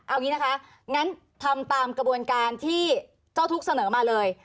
เอาอย่างนี้นะคะงั้นทำตามกระบวนการที่เจ้าทุกข์เสนอมาเลย